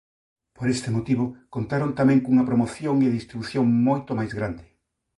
Por este motivo contaron tamén cunha promoción e distribución moito máis grande.